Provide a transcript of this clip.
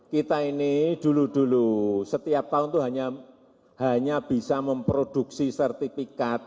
kita ini dulu dulu setiap tahun itu hanya bisa memproduksi sertifikat